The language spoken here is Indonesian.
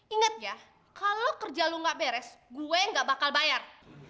ingat ya kalau kerja lo gak beres gue gak bakal bayar